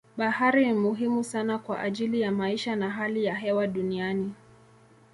Bahari ni muhimu sana kwa ajili ya maisha na hali ya hewa duniani.